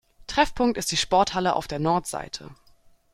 Treffpunkt ist die Sporthalle auf der Nordseite.